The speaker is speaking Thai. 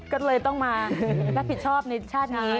ก็เลยต้องมารับผิดชอบในชาตินี้